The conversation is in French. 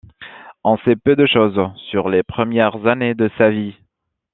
On sait peu de chose sur les premières années de sa vie.